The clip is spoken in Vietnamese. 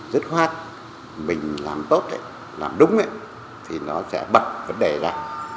rất khoát mình làm tốt làm đúng thì nó sẽ bật vấn đề ra